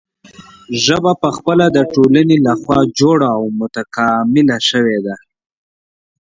ژبه پخپله د ټولنې له خوا جوړه او متکامله شوې ده.